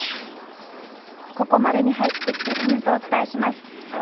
ここまでに入ってきているニュースをお伝えします。